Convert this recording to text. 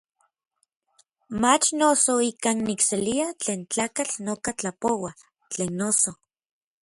Mach noso ikan nikselia tlen tlakatl noka tlapoua; tlen noso.